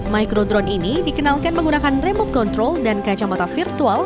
micro drone ini dikenalkan menggunakan remote control dan kacamata virtual